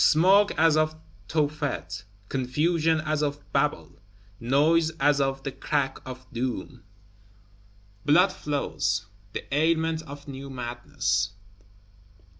Smoke as of Tophet; confusion as of Babel; noise as of the Crack of Doom! Blood flows; the ailment of new madness.